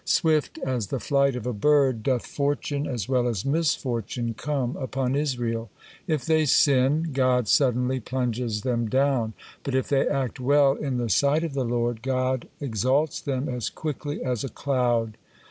Swift as the flight of a bird doth fortune as well as misfortune come upon Israel; if they sin, God suddenly plunges them down, but if they act well in the sight of the Lord, God exalts them as quickly as a cloud.